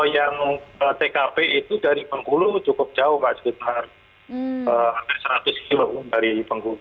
kemudian kalau yang tkp itu dari penghulu cukup jauh hampir seratus km dari penghulu